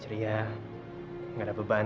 ceria gak ada beban